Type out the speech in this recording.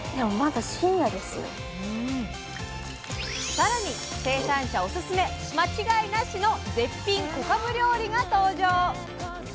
更に生産者オススメ間違いなしの絶品小かぶ料理が登場！